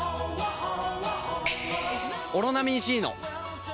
「オロナミン Ｃ」の！